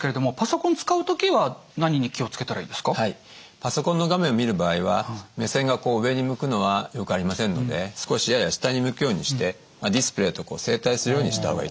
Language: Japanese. パソコンの画面を見る場合は目線がこう上に向くのはよくありませんので少しやや下に向くようにしてディスプレーと正対するようにした方がいいと思います。